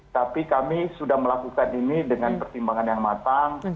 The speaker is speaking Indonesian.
tapi kami sudah melakukan ini dengan pertimbangan yang matang